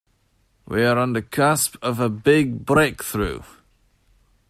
We are on the cusp of a big breakthrough.